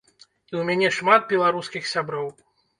І ў мяне шмат беларускіх сяброў.